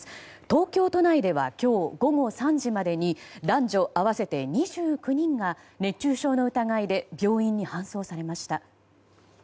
東京都内では今日午後３時までに男女合わせて２９人が熱中症の疑いで病院に搬送されました。